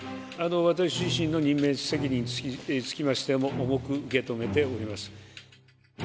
私自身の任命責任につきましても重く受け止めております。